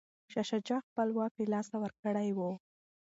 شاه شجاع خپل واک له لاسه ورکړی و.